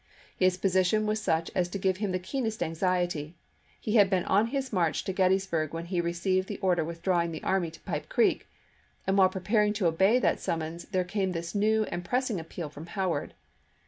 His position was such as to give him the keenest anxiety ; he had been on his march to Gettysburg when he received the order withdrawing the army to Pipe Creek, and while preparing to obey that summons there came this new and pressing appeal from Howard.